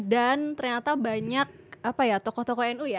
dan ternyata banyak apa ya tokoh tokoh nu ya